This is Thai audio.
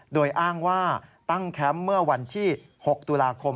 โดยอ้างว่าตั้งแคมป์เมื่อวันที่๖ตุลาคม